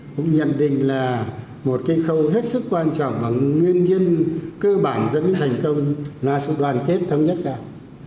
cũng nhận định là một cái khâu hết sức quan trọng nguyên nhân cơ bản dẫn đến thành công là sự đoàn kết thống nhất cao